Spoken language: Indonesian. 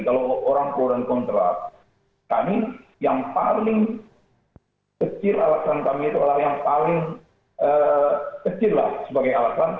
kalau orang pro dan kontrak kami yang paling kecil alasan kami itu adalah yang paling kecil lah sebagai alasan